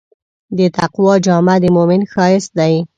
د تقوی جامه د مؤمن ښایست دی.